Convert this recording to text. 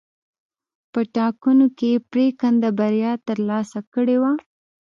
په ټاکنو کې یې پرېکنده بریا ترلاسه کړې وه.